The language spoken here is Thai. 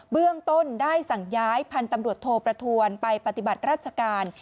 เบื้องต้นได้สั่งย้ายพันธุ์ตำรวจโทประทวนไปปฏิบัติราชการ